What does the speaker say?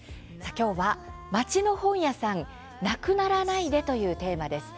今日は「まちの本屋さんなくならないで！」というテーマです。